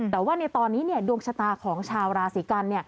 แต่ว่าในตอนนี้ดวงชะตาของชาวราศีกัน